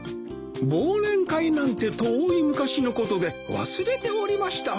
忘年会なんて遠い昔のことで忘れておりましたわい。